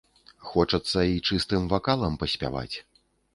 Хочацца і чыстым вакалам паспяваць.